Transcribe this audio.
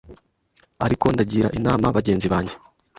Ariko ndagira inama bagenzi banjye